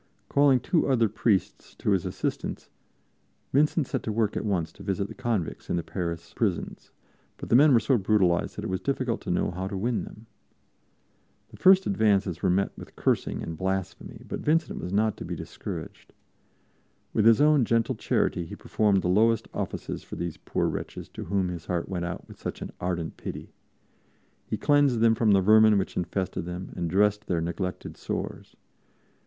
Calling two other priests to his assistance, Vincent set to work at once to visit the convicts in the Paris prisons; but the men were so brutalized that it was difficult to know how to win them. The first advances were met with cursing and blasphemy, but Vincent was not to be discouraged. With his own gentle charity he performed the lowest offices for these poor wretches to whom his heart went out with such an ardent pity; he cleansed them from the vermin which infested them and dressed their neglected sores.